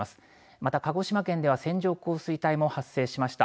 また鹿児島県では線状降水帯も発生しました。